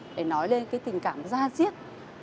để nói lên cái tình cảm ra diết